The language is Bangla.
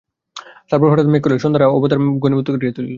তারপর হঠাৎ মেঘ করিল, সন্ধ্যার অন্ধকার মেঘে ঘনীভূত করিয়া তুলিল।